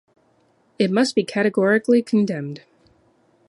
It must be categorically condemned.